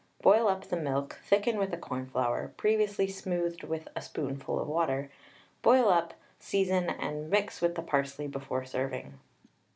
Boil up the milk, thicken with the cornflour, previously smoothed with a spoonful of water; boil up, season, and mix with the parsley before serving.